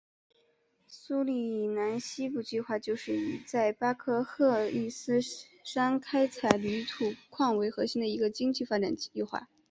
苏里南西部计划就是以在巴克赫伊斯山开采铝土矿为核心的一个经济发展计划。